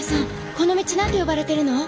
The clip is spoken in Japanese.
この道なんて呼ばれてるの？